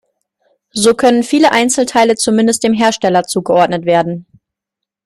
So können viele Einzelteile zumindest dem Hersteller zugeordnet werden.